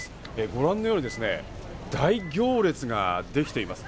ご覧のようにですね、大行列ができています。